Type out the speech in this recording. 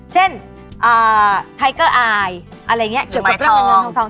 เช่นไทเกอร์อายอะไรเงี้ยเกี่ยวกับเงินเงินทอง